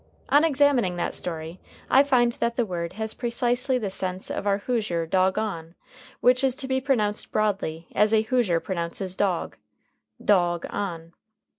On examining that story, I find that the word has precisely the sense of our Hoosier "dog on," which is to be pronounced broadly as a Hoosier pronounces dog "daug on."